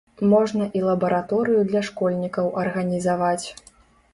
Можна і лабараторыю для школьнікаў арганізаваць.